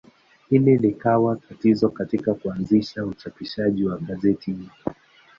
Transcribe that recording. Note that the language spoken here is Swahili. Hili likawa tatizo katika kuanzisha uchapishaji wa gazeti hili.